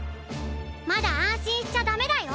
まだあんしんしちゃダメだよ。